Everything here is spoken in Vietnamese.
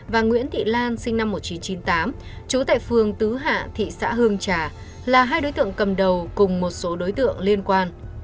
và nguyễn thị lan sinh năm một nghìn chín trăm chín mươi tám trú tại phường tứ hạ thị xã hương trà là hai đối tượng cầm đầu cùng một số đối tượng liên quan